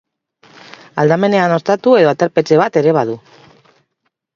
Aldamenean ostatu edo aterpetxe bat ere badu.